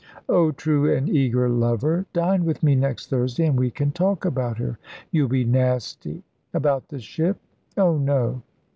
"Oh true and eager lover! Dine with me next Thursday, and we can talk about her." "You'll be nasty." "About the ship? Oh, no!"